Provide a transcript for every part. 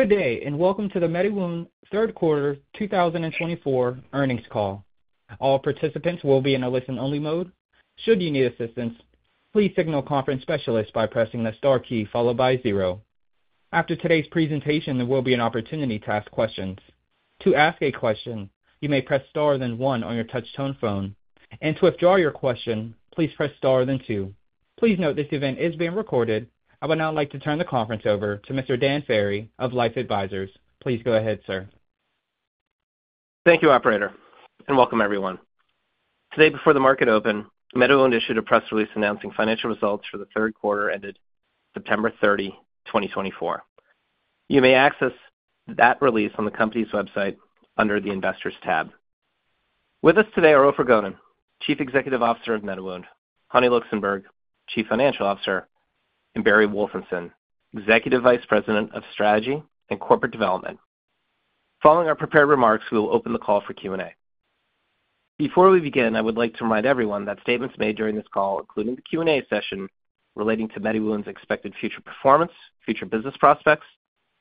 Good day, and welcome to the MediWound Q3 2024 earnings call. All participants will be in a listen-only mode. Should you need assistance, please signal conference specialists by pressing the star key followed by zero. After today's presentation, there will be an opportunity to ask questions. To ask a question, you may press star then one on your touch-tone phone, and to withdraw your question, please press star then two. Please note this event is being recorded. I would now like to turn the conference over to Mr. Dan Ferry of LifeSci Advisors. Please go ahead, sir. Thank you, Operator, and welcome everyone. Today, before the market open, MediWound issued a press release announcing financial results for Q3 ended September 30, 2024. You may access that release on the company's website under the Investors tab. With us today are Ofer Gonen, Chief Executive Officer of MediWound; Hani Luxenberg, Chief Financial Officer; and Barry Wolfenson, Executive Vice President of Strategy and Corporate Development. Following our prepared remarks, we will open the call for Q&A. Before we begin, I would like to remind everyone that statements made during this call, including the Q&A session relating to MediWound's expected future performance, future business prospects,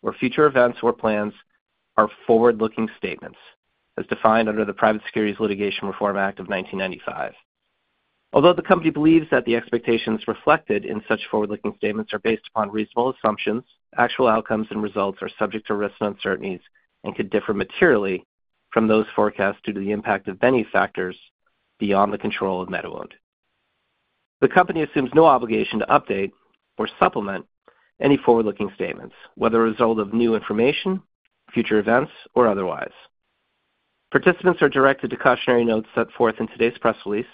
or future events or plans, are forward-looking statements, as defined under the Private Securities Litigation Reform Act of 1995. Although the company believes that the expectations reflected in such forward-looking statements are based upon reasonable assumptions, actual outcomes and results are subject to risks and uncertainties and could differ materially from those forecast due to the impact of many factors beyond the control of MediWound. The company assumes no obligation to update or supplement any forward-looking statements, whether a result of new information, future events, or otherwise. Participants are directed to cautionary notes set forth in today's press release,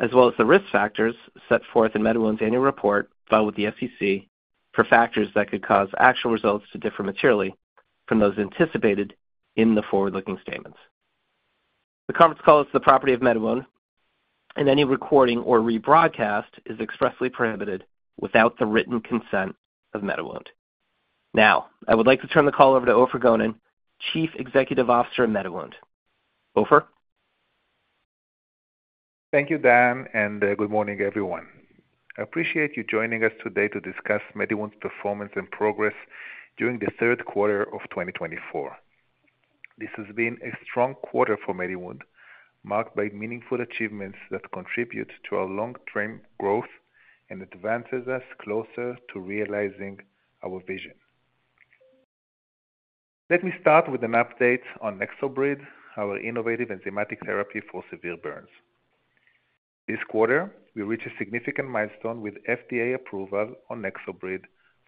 as well as the risk factors set forth in MediWound's annual report filed with the SEC for factors that could cause actual results to differ materially from those anticipated in the forward-looking statements. The conference call is the property of MediWound, and any recording or rebroadcast is expressly prohibited without the written consent of MediWound. Now, I would like to turn the call over to Ofer Gonen, Chief Executive Officer of MediWound. Ofer? Thank you, Dan, and good morning, everyone. I appreciate you joining us today to discuss MediWound's performance and progress during Q3 of 2024. This has been a strong quarter for MediWound, marked by meaningful achievements that contribute to our long-term growth and advance us closer to realizing our vision. Let me start with an update on NexoBrid, our innovative enzymatic therapy for severe burns. This quarter, we reached a significant milestone with FDA approval on NexoBrid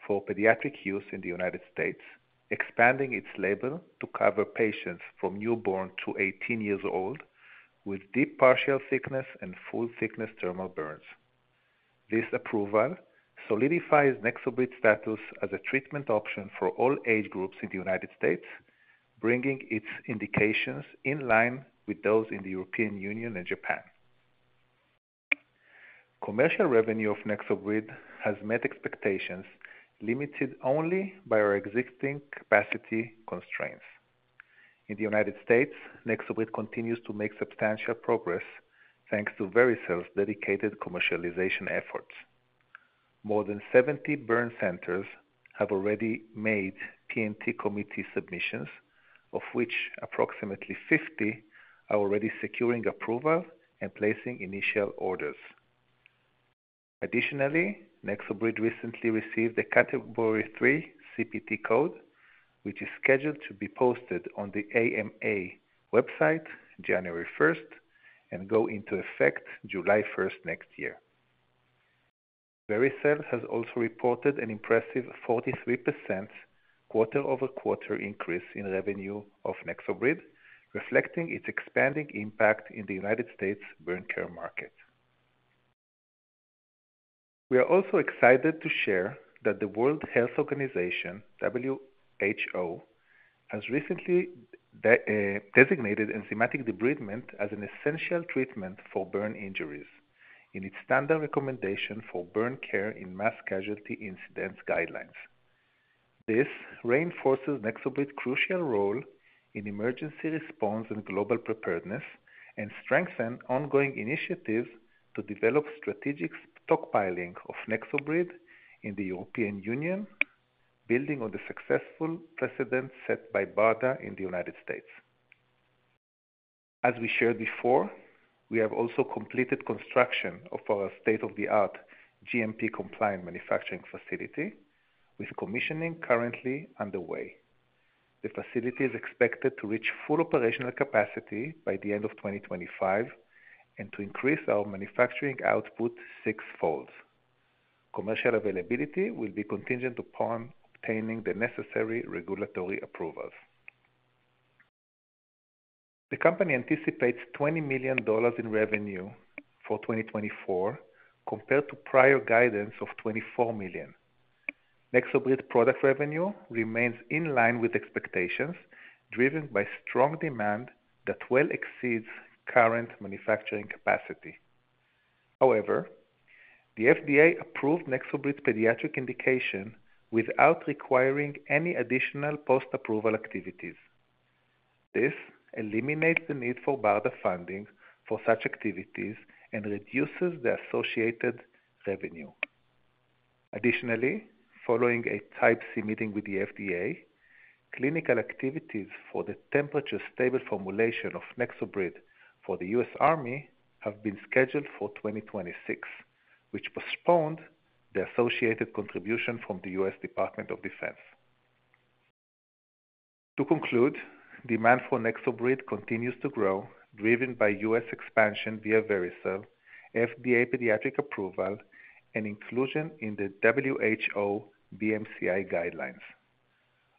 for pediatric use in the United States, expanding its label to cover patients from newborn to 18 years old with deep partial thickness and full thickness dermal burns. This approval solidifies NexoBrid's status as a treatment option for all age groups in the United States, bringing its indications in line with those in the European Union and Japan. Commercial revenue of NexoBrid has met expectations, limited only by our existing capacity constraints. In the United States, NexoBrid continues to make substantial progress thanks to very self-dedicated commercialization efforts. More than 70 burn centers have already made P&T committee submissions, of which approximately 50 are already securing approval and placing initial orders. Additionally, NexoBrid recently received a Category 3 CPT Code, which is scheduled to be posted on the AMA website January 1 and go into effect July 1 next year. Vericel has also reported an impressive 43% quarter-over-quarter increase in revenue of NexoBrid, reflecting its expanding impact in the United States burn care market. We are also excited to share that the World Health Organization (WHO) has recently designated enzymatic debridement as an essential treatment for burn injuries in its Standard Recommendation for Burn Care in Mass Casualty Incidents Guidelines. This reinforces NexoBrid's crucial role in emergency response and global preparedness and strengthens ongoing initiatives to develop strategic stockpiling of NexoBrid in the European Union, building on the successful precedent set by BARDA in the United States. As we shared before, we have also completed construction of our state-of-the-art GMP-compliant manufacturing facility, with commissioning currently underway. The facility is expected to reach full operational capacity by the end of 2025 and to increase our manufacturing output sixfold. Commercial availability will be contingent upon obtaining the necessary regulatory approvals. The company anticipates $20 million in revenue for 2024, compared to prior guidance of $24 million. NexoBrid's product revenue remains in line with expectations, driven by strong demand that well exceeds current manufacturing capacity. However, the FDA approved NexoBrid's pediatric indication without requiring any additional post-approval activities. This eliminates the need for BARDA funding for such activities and reduces the associated revenue. Additionally, following a Type C meeting with the FDA, clinical activities for the temperature-stable formulation of NexoBrid for the U.S. Army have been scheduled for 2026, which postponed the associated contribution from the U.S. Department of Defense. To conclude, demand for NexoBrid continues to grow, driven by U.S. expansion via Vericel, FDA pediatric approval, and inclusion in the WHO MCI guidelines.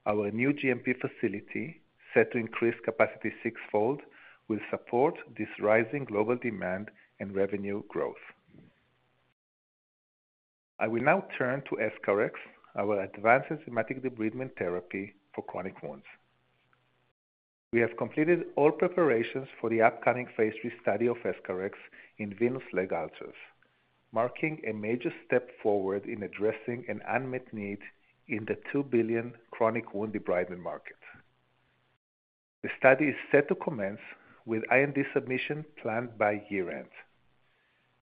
Our new GMP facility, set to increase capacity sixfold, will support this rising global demand and revenue growth. I will now turn to EscharEx, our advanced enzymatic debridement therapy for chronic wounds. We have completed all preparations for the upcoming phase III study of EscharEx in venous leg ulcers, marking a major step forward in addressing an unmet need in the $2 billion chronic wound debridement market. The study is set to commence with IND submission planned by year-end.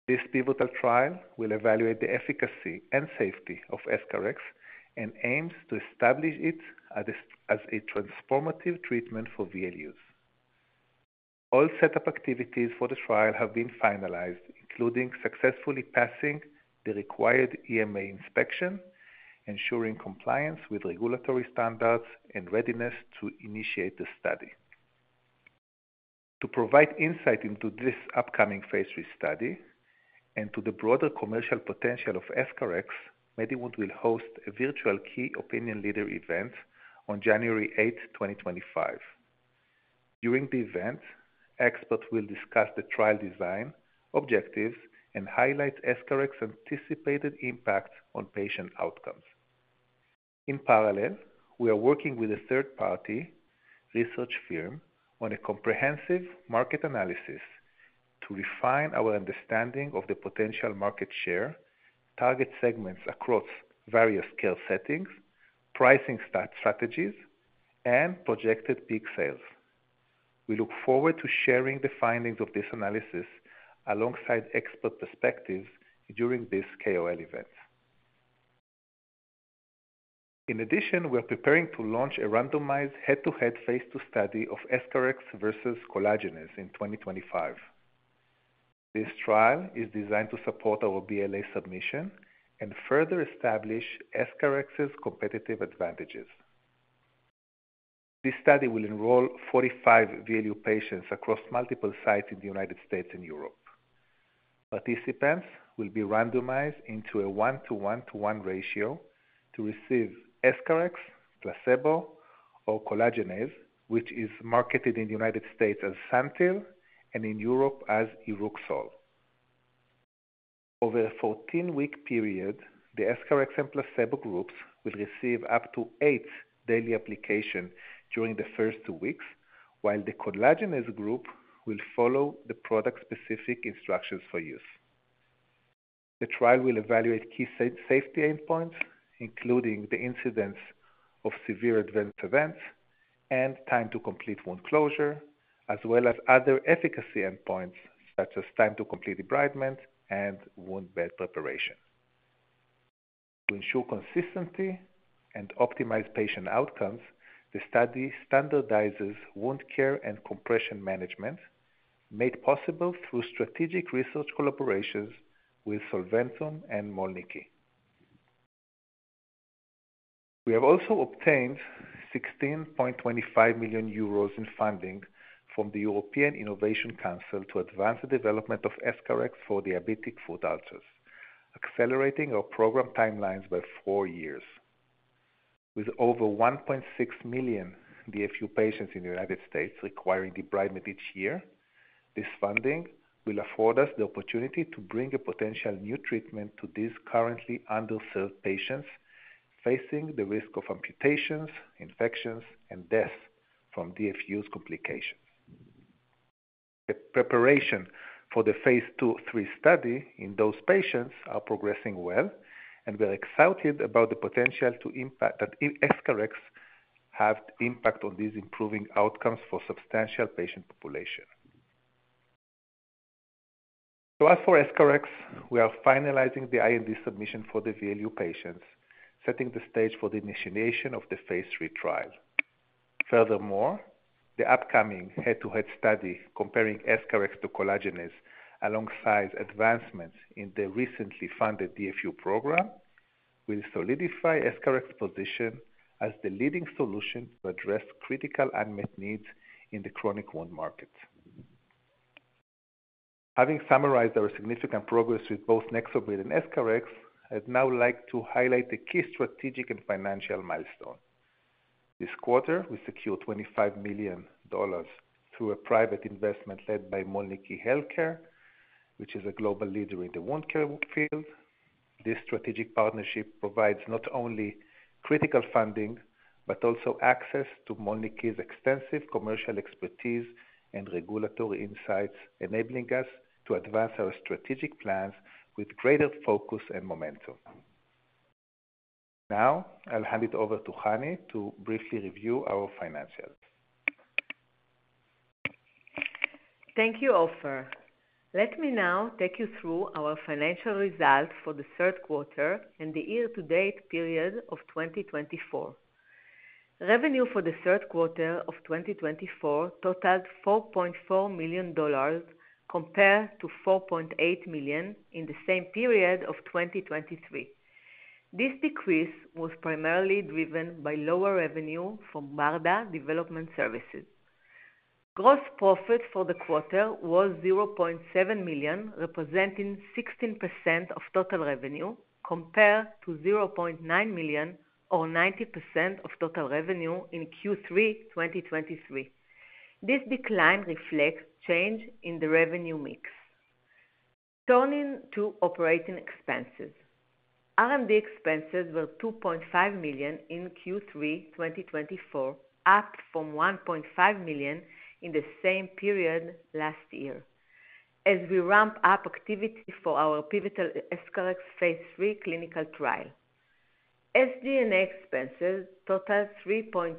This pivotal trial will evaluate the efficacy and safety of EscharEx and aims to establish it as a transformative treatment for VLUs. All setup activities for the trial have been finalized, including successfully passing the required EMA inspection, ensuring compliance with regulatory standards, and readiness to initiate the study. To provide insight into this upcoming phase III study and to the broader commercial potential of EscharEx, MediWound will host a virtual key opinion leader event on January 8, 2025. During the event, experts will discuss the trial design, objectives, and highlight EscharEx's anticipated impact on patient outcomes. In parallel, we are working with a third-party research firm on a comprehensive market analysis to refine our understanding of the potential market share, target segments across various care settings, pricing strategies, and projected peak sales. We look forward to sharing the findings of this analysis alongside expert perspectives during this KOL event. In addition, we are preparing to launch a randomized head to head phase II study of EscharEx versus collagenase in 2025. This trial is designed to support our BLA submission and further establish EscharEx's competitive advantages. This study will enroll 45 VLU patients across multiple sites in the United States and Europe. Participants will be randomized into a 1:1:1 ratio to receive EscharEx, placebo, or collagenase, which is marketed in the United States as Santyl and in Europe as Iruxol. Over a 14-week period, the EscharEx and placebo groups will receive up to eight daily applications during the first two weeks, while the collagenase group will follow the product-specific instructions for use. The trial will evaluate key safety endpoints, including the incidence of severe adverse events and time-to-complete wound closure, as well as other efficacy endpoints such as time-to-complete debridement and wound bed preparation. To ensure consistency and optimize patient outcomes, the study standardizes wound care and compression management, made possible through strategic research collaborations with Solventum and Mölnlycke. We have also obtained 16.25 million euros in funding from the European Innovation Council to advance the development of EscharEx for diabetic foot ulcers, accelerating our program timelines by four years. With over 1.6 million DFU patients in the United States requiring debridement each year, this funding will afford us the opportunity to bring a potential new treatment to these currently underserved patients facing the risk of amputations, infections, and deaths from DFU's complications. Preparation for the phase II/III study in those patients is progressing well, and we are excited about the potential that EscharEx has impacted on these improving outcomes for a substantial patient population. As for EscharEx, we are finalizing the IND submission for the VLU patients, setting the stage for the initiation of the phase III trial. Furthermore, the upcoming head to head study comparing EscharEx to collagenase, alongside advancements in the recently funded DFU program, will solidify EscharEx's position as the leading solution to address critical unmet needs in the chronic wound market. Having summarized our significant progress with both NexoBrid and EscharEx, I'd now like to highlight the key strategic and financial milestones. This quarter, we secured $25 million through a private investment led by Mölnlycke Health Care, which is a global leader in the wound care field. This strategic partnership provides not only critical funding but also access to Mölnlycke's extensive commercial expertise and regulatory insights, enabling us to advance our strategic plans with greater focus and momentum. Now, I'll hand it over to Hani to briefly review our financials. Thank you, Ofer. Let me now take you through our financial results for the Q3 and the year-to-date period of 2024. Revenue for Q3 of 2024 totaled $4.4 million, compared to $4.8 million in the same period of 2023. This decrease was primarily driven by lower revenue from BARDA Development Services. Gross profit for the quarter was $0.7 million, representing 16% of total revenue, compared to $0.9 million, or 90% of total revenue in Q3 2023. This decline reflects change in the revenue mix. Turning to operating expenses, R&D expenses were $2.5 million in Q3 2024, up from $1.5 million in the same period last year, as we ramp up activity for our pivotal EscharEx phase III clinical trial. SG&A expenses totaled $3.2 million.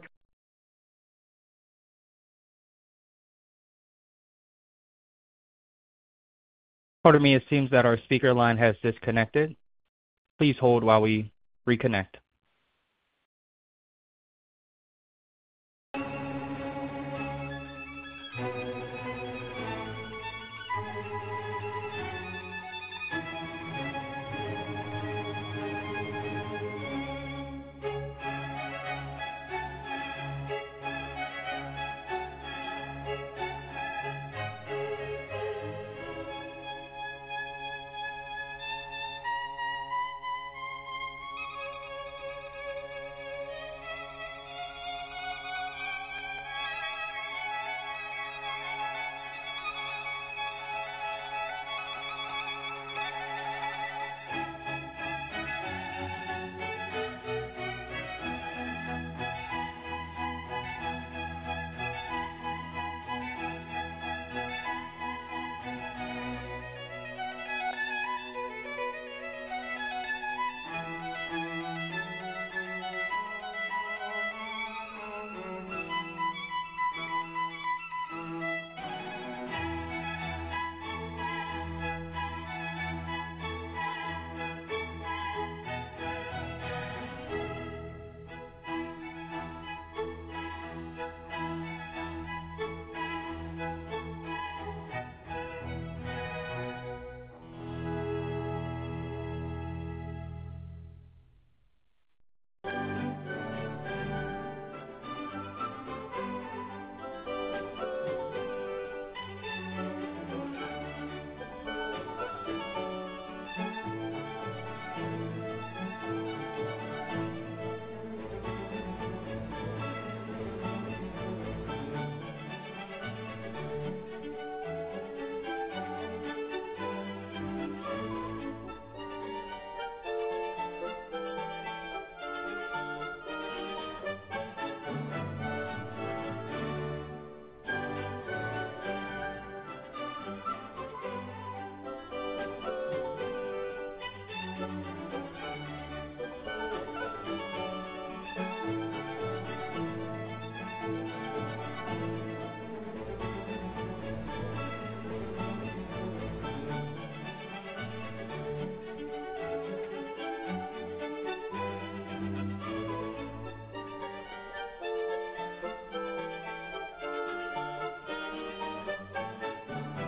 Pardon me, it seems that our speaker line has disconnected. Please hold while we reconnect.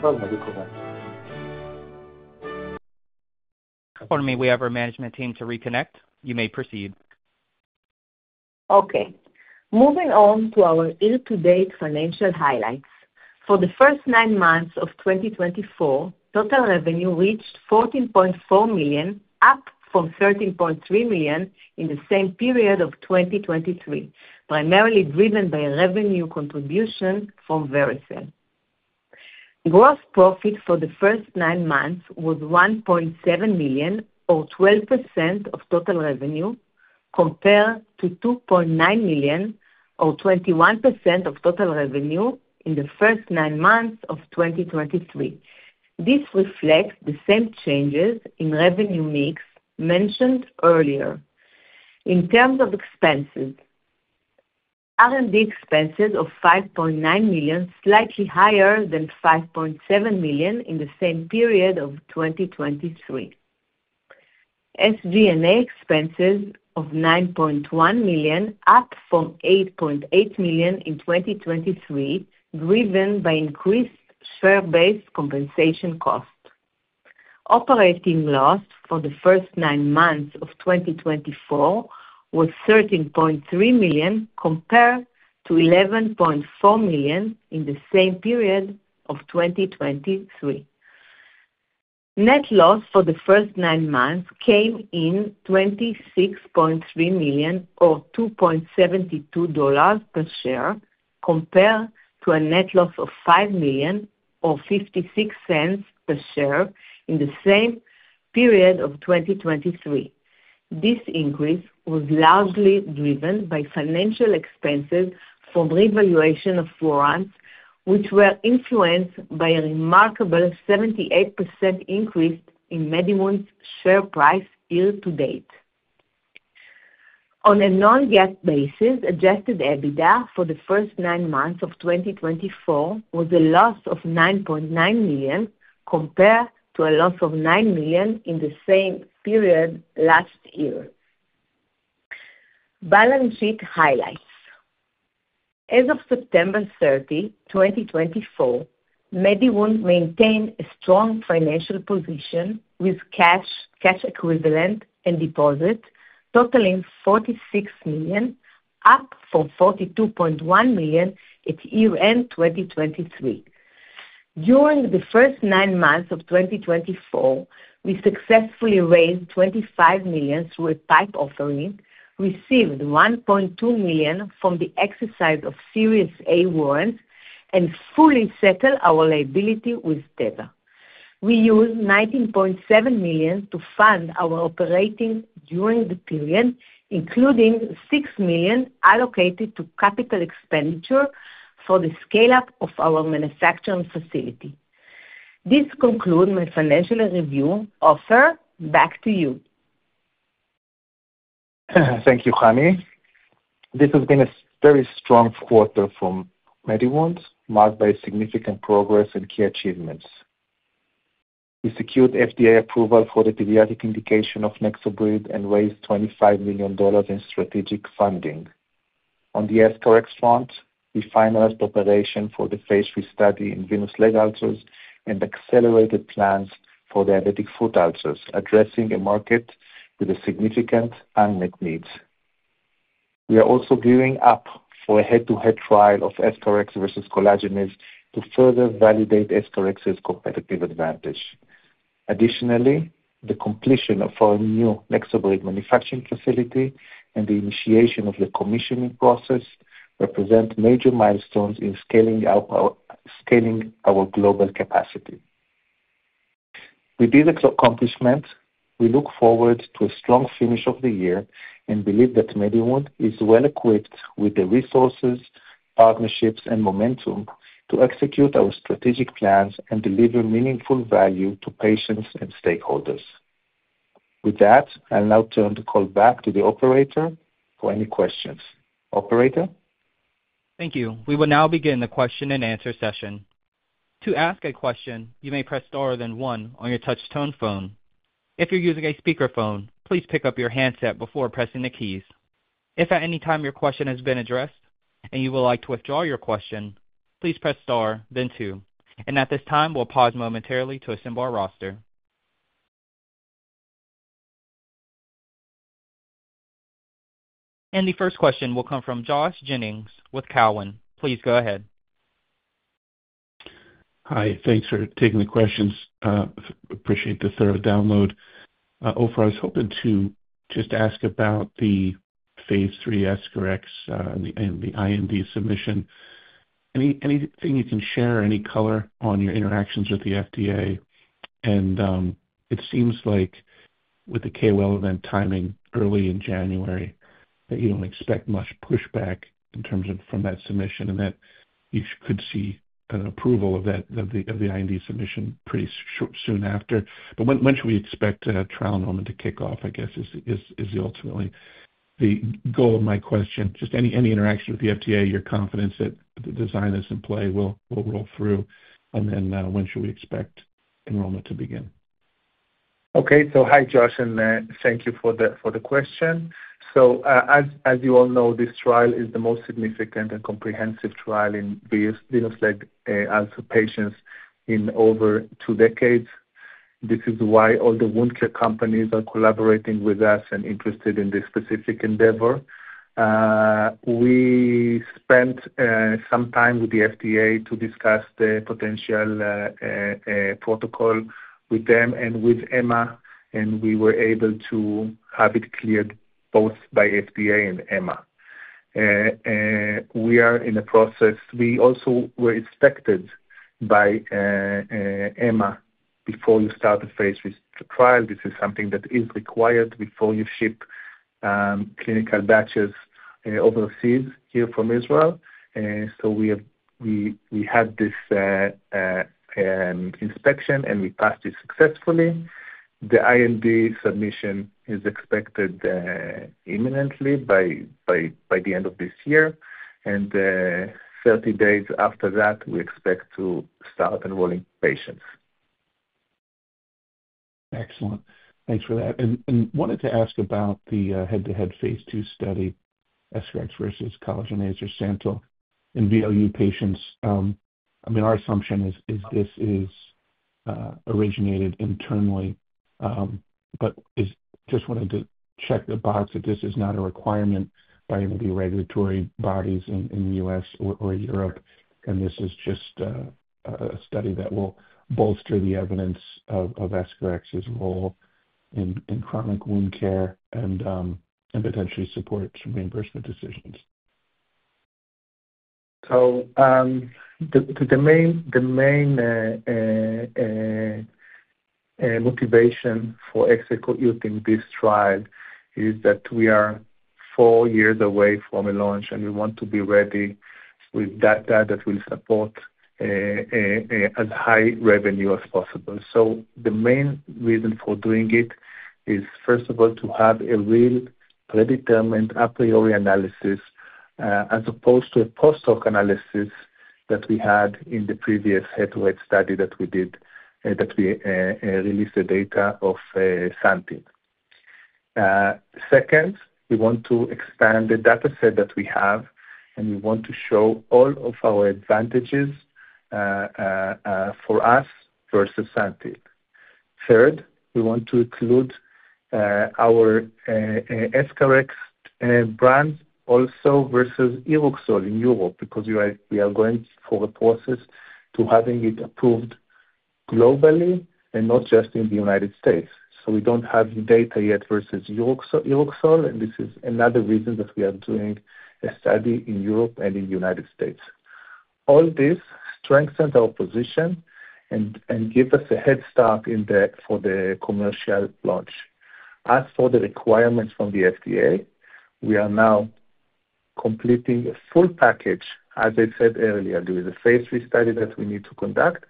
Pardon me, we have our management team to reconnect. You may proceed. Okay. Moving on to our year-to-date financial highlights. For the first nine months of 2024, total revenue reached $14.4 million, up from $13.3 million in the same period of 2023, primarily driven by revenue contribution from Vericel. Gross profit for the first nine months was $1.7 million, or 12% of total revenue, compared to $2.9 million, or 21% of total revenue, in the first nine months of 2023. This reflects the same changes in revenue mix mentioned earlier. In terms of expenses, R&D expenses of $5.9 million, slightly higher than $5.7 million in the same period of 2023. SG&A expenses of $9.1 million, up from $8.8 million in 2023, driven by increased share-based compensation cost. Operating loss for the first nine months of 2024 was $13.3 million, compared to $11.4 million in the same period of 2023. Net loss for the first nine months came in $26.3 million, or $2.72 per share, compared to a net loss of $5.56 per share in the same period of 2023. This increase was largely driven by financial expenses from revaluation of warrants, which were influenced by a remarkable 78% increase in MediWound's share price year-to-date. On a non-GAAP basis, Adjusted EBITDA for the first nine months of 2024 was a loss of $9.9 million, compared to a loss of $9 million in the same period last year. Balance sheet highlights. As of September 30, 2024, MediWound maintained a strong financial position with cash equivalent and deposit, totaling $46 million, up from $42.1 million at year-end 2023. During the first nine months of 2024, we successfully raised $25 million through a PIPE offering, received $1.2 million from the exercise of Series A warrants, and fully settled our liability with Teva. We used $19.7 million to fund our operating during the period, including $6 million allocated to capital expenditure for the scale-up of our manufacturing facility. This concludes my financial review, Ofer. Back to you. Thank you, Hani. This has been a very strong quarter for MediWound, marked by significant progress and key achievements. We secured FDA approval for the pediatric indication of NexoBrid and raised $25 million in strategic funding. On the EscharEx front, we finalized operation for the phase III study in venous leg ulcers and accelerated plans for diabetic foot ulcers, addressing a market with significant unmet needs. We are also gearing up for a head to head trial of EscharEx versus collagenase to further validate EscharEx's competitive advantage. Additionally, the completion of our new NexoBrid manufacturing facility and the initiation of the commissioning process represent major milestones in scaling our global capacity. With these accomplishments, we look forward to a strong finish of the year and believe that MediWound is well-equipped with the resources, partnerships, and momentum to execute our strategic plans and deliver meaningful value to patients and stakeholders. With that, I'll now turn the call back to the operator for any questions. Operator? Thank you. We will now begin the question and answer session. To ask a question, you may press star then one on your touch-tone phone. If you're using a speakerphone, please pick up your handset before pressing the keys. If at any time your question has been addressed and you would like to withdraw your question, please press star then two. And at this time, we'll pause momentarily to assemble our roster. And the first question will come from Josh Jennings with Cowen. Please go ahead. Hi. Thanks for taking the questions. Appreciate the thorough download. Ofer, I was hoping to just ask about the phase III EscharEx and the IND submission. Anything you can share, any color on your interactions with the FDA? And it seems like with the KOL event timing early in January, that you don't expect much pushback in terms of from that submission and that you could see an approval of that, of the IND submission pretty soon after. But when should we expect trial enrollment to kick off, I guess, is ultimately the goal of my question. Just any interaction with the FDA, your confidence that the design is in play will roll through. And then when should we expect enrollment to begin? Okay. So, hi, Josh, and thank you for the question. So as you all know, this trial is the most significant and comprehensive trial in venous leg ulcer patients in over two decades. This is why all the wound care companies are collaborating with us and interested in this specific endeavor. We spent some time with the FDA to discuss the potential protocol with them and with EMA, and we were able to have it cleared both by FDA and EMA. We are in the process. We also were inspected by EMA before we start the phase III trial. This is something that is required before you ship clinical batches overseas here from Israel. So we had this inspection, and we passed it successfully. The IND submission is expected imminently by the end of this year. And 30 days after that, we expect to start enrolling patients. Excellent. Thanks for that. And wanted to ask about the head to head phase II study, EscharEx versus collagenase or Santyl in VLU patients. I mean, our assumption is this is originated internally. But just wanted to check the box that this is not a requirement by any of the regulatory bodies in the U.S. or Europe, and this is just a study that will bolster the evidence of EscharEx's role in chronic wound care and potentially support some reimbursement decisions. The main motivation for executing this trial is that we are four years away from a launch, and we want to be ready with data that will support as high revenue as possible. The main reason for doing it is, first of all, to have a real predetermined a priori analysis as opposed to a post-hoc analysis that we had in the previous head to head study that we did, that we released the data of Santyl. Second, we want to expand the data set that we have, and we want to show all of our advantages for us versus Santyl. Third, we want to include our EscharEx brand also versus Iruxol in Europe because we are going for a process to having it approved globally and not just in the United States. So we don't have data yet versus Iruxol, and this is another reason that we are doing a study in Europe and in the United States. All this strengthens our position and gives us a head start for the commercial launch. As for the requirements from the FDA, we are now completing a full package, as I said earlier, there is a phase III study that we need to conduct,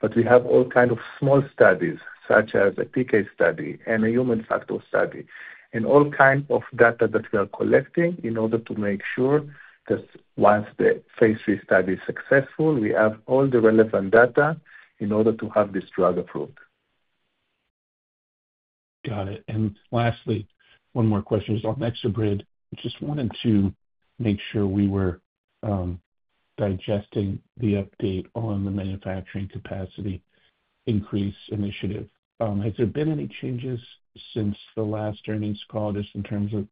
but we have all kinds of small studies such as a PK study and a human factor study and all kinds of data that we are collecting in order to make sure that once the phase III study is successful, we have all the relevant data in order to have this drug approved. Got it. And lastly, one more question is on NexoBrid. Just wanted to make sure we were digesting the update on the manufacturing capacity increase initiative. Has there been any changes since the last earnings call just in terms of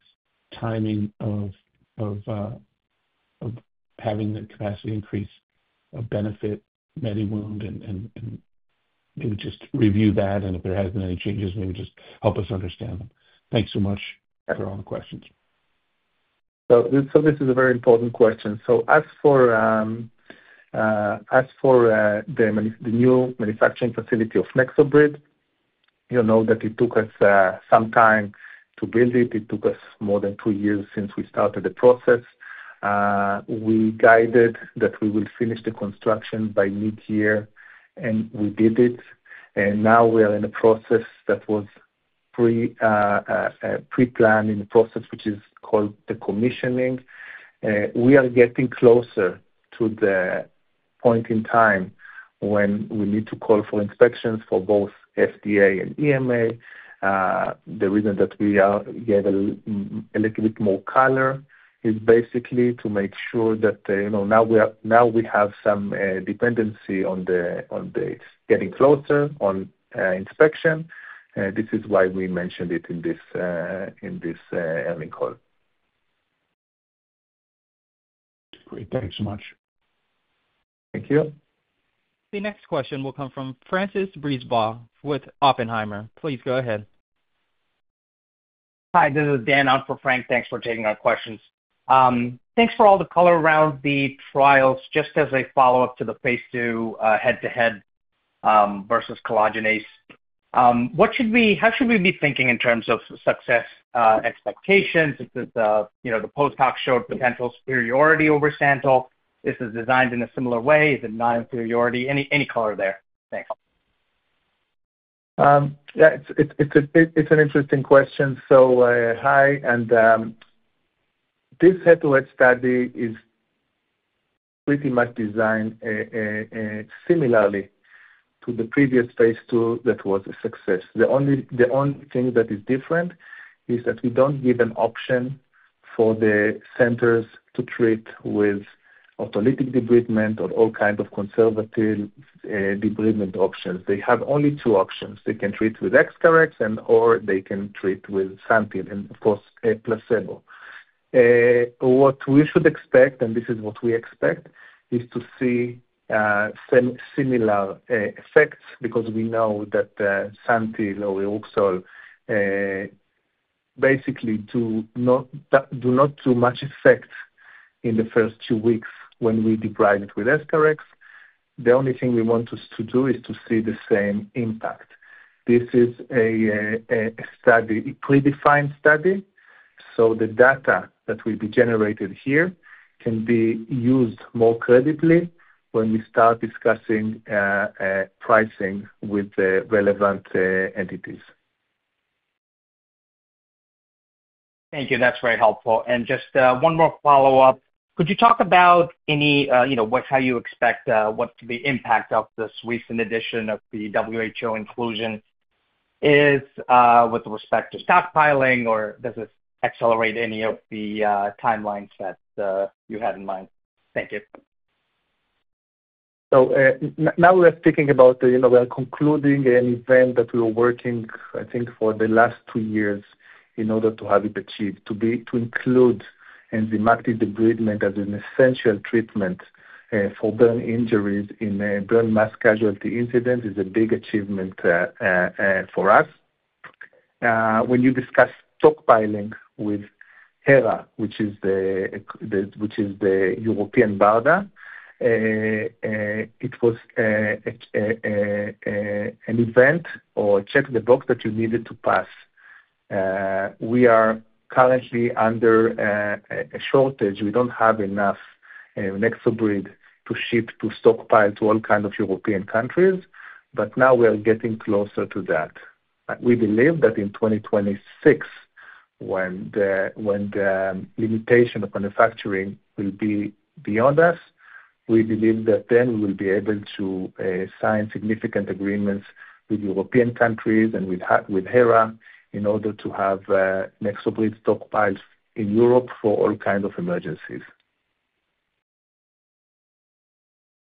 timing of having the capacity increase benefit MediWound? And maybe just review that, and if there have been any changes, maybe just help us understand them. Thanks so much for all the questions. This is a very important question. As for the new manufacturing facility of NexoBrid, you know that it took us some time to build it. It took us more than two years since we started the process. We guided that we will finish the construction by mid-year, and we did it. Now we are in a process that was pre-planned in the process, which is called the commissioning. We are getting closer to the point in time when we need to call for inspections for both FDA and EMA. The reason that we gave a little bit more color is basically to make sure that now we have some dependency on the getting closer on inspection. This is why we mentioned it in this earnings call. Great. Thanks so much. Thank you. The next question will come from François Brisebois with Oppenheimer. Please go ahead. Hi. This is Dan. I'm for Frank. Thanks for taking our questions. Thanks for all the color around the trials, just as a follow-up to the phase II head to head versus collagenase. How should we be thinking in terms of success expectations? Is the post-hoc showed potential superiority over Santyl? Is it designed in a similar way? Is it non-inferiority? Any color there? Thanks. Yeah. It's an interesting question. So hi. And this head to head study is pretty much designed similarly to the previous phase II that was a success. The only thing that is different is that we don't give an option for the centers to treat with autolytic debridement or all kinds of conservative debridement options. They have only two options. They can treat with EscharEx and/or they can treat with Santyl and, of course, placebo. What we should expect, and this is what we expect, is to see similar effects because we know that Santyl or Iruxol basically do not do much effect in the first two weeks when we debride it with EscharEx. The only thing we want to do is to see the same impact. This is a predefined study, so the data that will be generated here can be used more credibly when we start discussing pricing with the relevant entities. Thank you. That's very helpful. And just one more follow-up. Could you talk about how you expect what the impact of this recent addition of the WHO inclusion is with respect to stockpiling, or does it accelerate any of the timelines that you had in mind? Thank you. So now we're speaking about we are concluding an event that we were working, I think, for the last two years in order to have it achieved. To include enzymatic debridement as an essential treatment for burn injuries in mass casualty incidents is a big achievement for us. When you discuss stockpiling with HERA, which is the European BARDA, it was an event or a check the box that you needed to pass. We are currently under a shortage. We don't have enough NexoBrid to ship, to stockpile, to all kinds of European countries. But now we are getting closer to that. We believe that in 2026, when the limitation of manufacturing will be beyond us, we believe that then we will be able to sign significant agreements with European countries and with HERA in order to have NexoBrid stockpiles in Europe for all kinds of emergencies.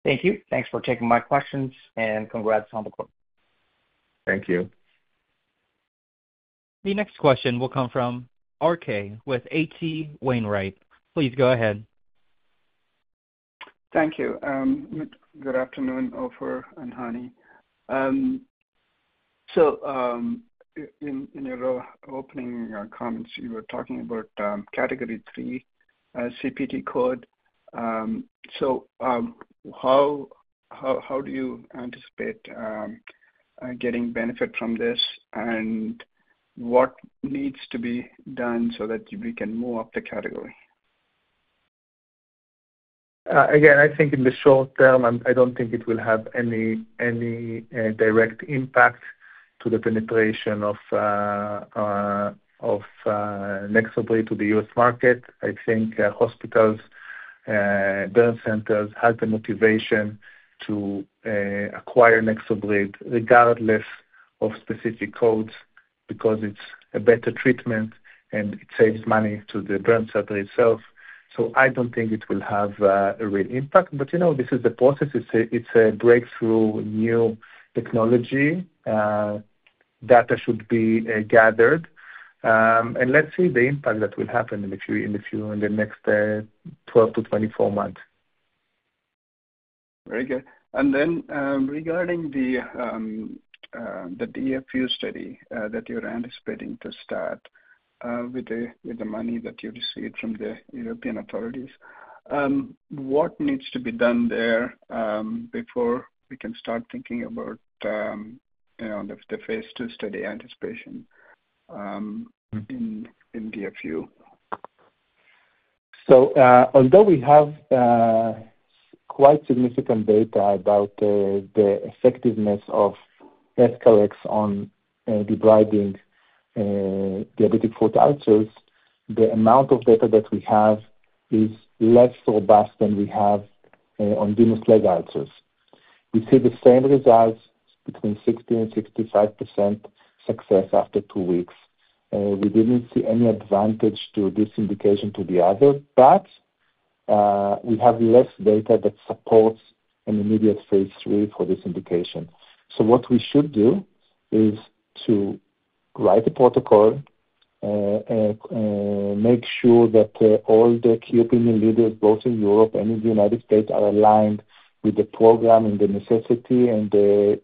Thank you. Thanks for taking my questions, and congrats on the quarter. Thank you. The next question will come from RK with H.C. Wainwright. Please go ahead. Thank you. Good afternoon, Ofer and Hani. So in your opening comments, you were talking about Category 3 CPT code. So how do you anticipate getting benefit from this, and what needs to be done so that we can move up the category? Again, I think in the short term, I don't think it will have any direct impact to the penetration of NexoBrid to the U.S. market. I think hospitals, burn centers have the motivation to acquire NexoBrid regardless of specific codes because it's a better treatment and it saves money to the burn center itself. So I don't think it will have a real impact. But this is the process. It's a breakthrough new technology. Data should be gathered. And let's see the impact that will happen in a few, in the next 12 to 24 months. Very good. And then regarding the DFU study that you're anticipating to start with the money that you received from the European authorities, what needs to be done there before we can start thinking about the phase II study anticipation in DFU? Although we have quite significant data about the effectiveness of EscharEx on debriding diabetic foot ulcers, the amount of data that we have is less robust than we have on venous leg ulcers. We see the same results between 60% to 65% success after two weeks. We didn't see any advantage to this indication to the other, but we have less data that supports an immediate phase III for this indication. What we should do is to write a protocol, make sure that all the key opinion leaders, both in Europe and in the United States, are aligned with the program and the necessity and the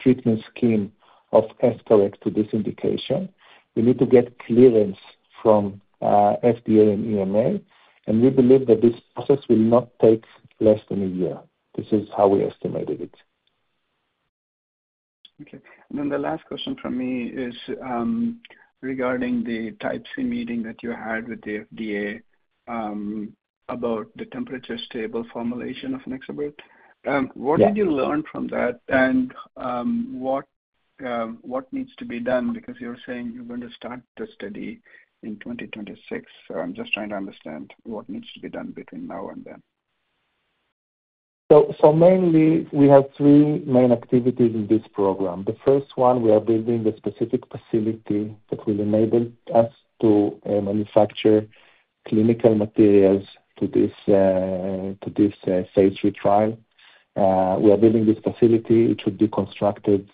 treatment scheme of EscharEx to this indication. We need to get clearance from FDA and EMA, and we believe that this process will not take less than a year. This is how we estimated it. Okay. And then the last question from me is regarding the Type C meeting that you had with the FDA about the temperature stable formulation of NexoBrid. What did you learn from that, and what needs to be done? Because you're saying you're going to start the study in 2026. So I'm just trying to understand what needs to be done between now and then. So mainly, we have three main activities in this program. The first one, we are building a specific facility that will enable us to manufacture clinical materials to this phase III trial. We are building this facility. It should be constructed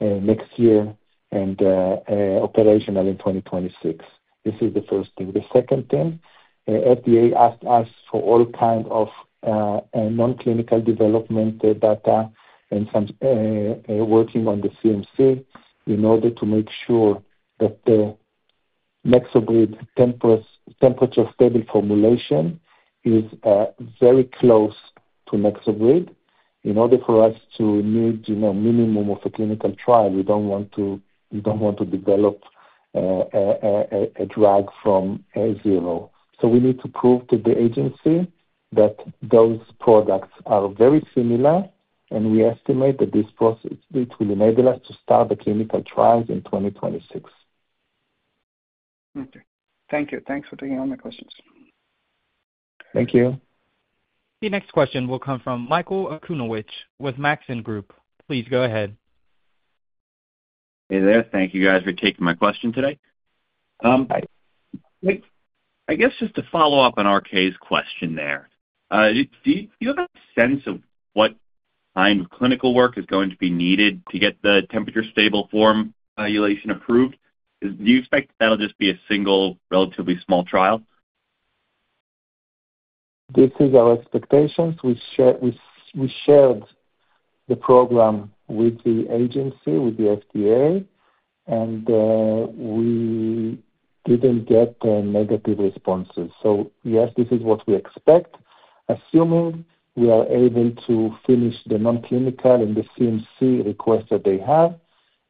next year and operational in 2026. This is the first thing. The second thing, FDA asked us for all kinds of non-clinical development data and some working on the CMC in order to make sure that the NexoBrid temperature stable formulation is very close to NexoBrid. In order for us to meet minimum of a clinical trial, we don't want to develop a drug from A0. So we need to prove to the agency that those products are very similar, and we estimate that this process, it will enable us to start the clinical trials in 2026. Okay. Thank you. Thanks for taking all my questions. Thank you. The next question will come from Michael Okunewitch with Maxim Group. Please go ahead. Hey there. Thank you, guys, for taking my question today. I guess just to follow up on RK's question there, do you have a sense of what kind of clinical work is going to be needed to get the temperature stable formulation approved? Do you expect that'll just be a single, relatively small trial? This is our expectations. We shared the program with the agency, with the FDA, and we didn't get negative responses, so yes, this is what we expect, assuming we are able to finish the non-clinical and the CMC request that they have,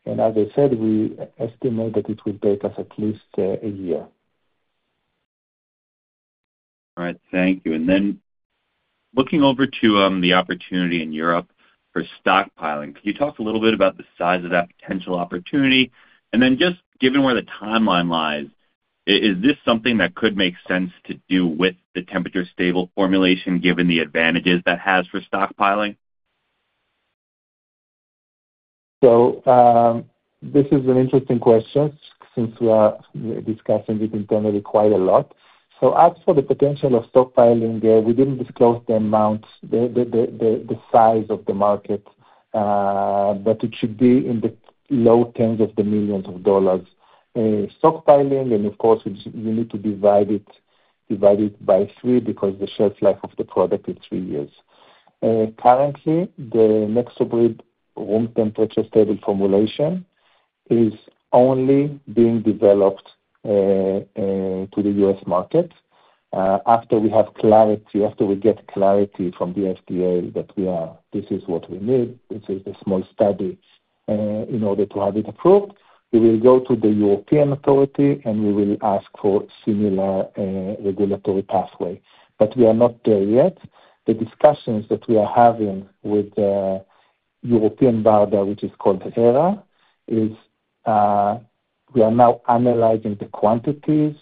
and as I said, we estimate that it will take us at least a year. All right. Thank you. And then looking over to the opportunity in Europe for stockpiling, could you talk a little bit about the size of that potential opportunity? And then just given where the timeline lies, is this something that could make sense to do with the temperature stable formulation given the advantages that has for stockpiling? This is an interesting question since we are discussing it internally quite a lot. As for the potential of stockpiling, we didn't disclose the amount, the size of the market, but it should be in the low tens of the millions of dollars. Stockpiling and of course you need to divide it by three because the shelf life of the product is three years. Currently, the NexoBrid room temperature stable formulation is only being developed to the U.S. market. After we have clarity, after we get clarity from the FDA that this is what we need, this is the small study in order to have it approved, we will go to the European authority and we will ask for a similar regulatory pathway. We are not there yet. The discussions that we are having with European BARDA, which is called HERA, is we are now analyzing the quantities.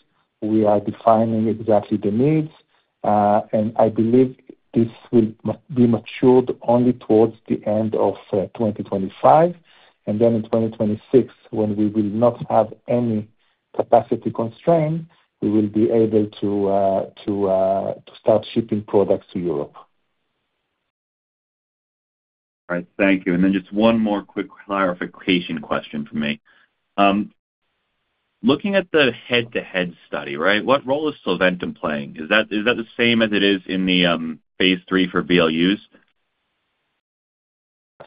We are defining exactly the needs, and I believe this will be matured only towards the end of 2025, and then in 2026, when we will not have any capacity constraint, we will be able to start shipping products to Europe. All right. Thank you. And then just one more quick clarification question for me. Looking at the head to head study, right, what role is Solventum playing? Is that the same as it is in the phase III for VLUs?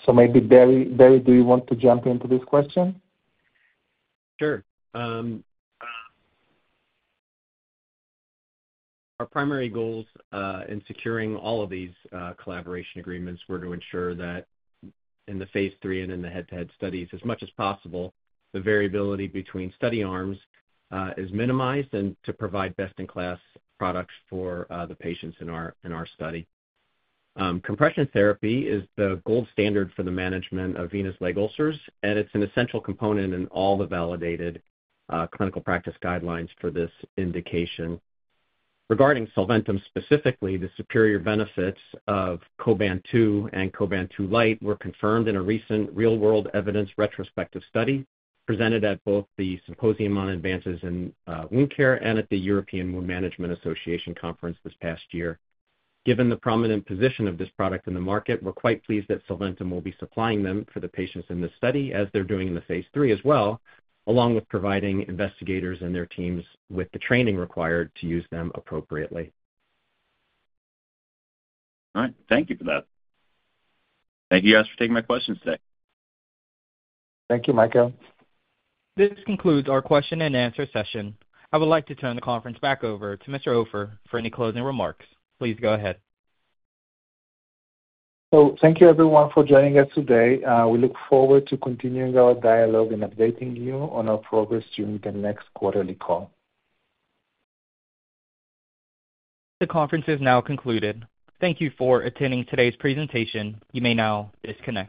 So maybe, Barry, do you want to jump into this question? Sure. Our primary goals in securing all of these collaboration agreements were to ensure that in the phase III and in the head to head studies, as much as possible, the variability between study arms is minimized and to provide best-in-class products for the patients in our study. Compression therapy is the gold standard for the management of venous leg ulcers, and it's an essential component in all the validated clinical practice guidelines for this indication. Regarding Solventum specifically, the superior benefits of Coban 2 and Coban 2 Lite were confirmed in a recent real-world evidence retrospective study presented at both the Symposium on Advances in Wound Care and at the European Wound Management Association conference this past year. Given the prominent position of this product in the market, we're quite pleased that Solventum will be supplying them for the patients in this study as they're doing in the phase III as well, along with providing investigators and their teams with the training required to use them appropriately. All right. Thank you for that. Thank you, guys, for taking my questions today. Thank you, Michael. This concludes our question and answer session. I would like to turn the conference back over to Mr. Ofer for any closing remarks. Please go ahead. So thank you, everyone, for joining us today. We look forward to continuing our dialogue and updating you on our progress during the next quarterly call. The conference is now concluded. Thank you for attending today's presentation. You may now disconnect.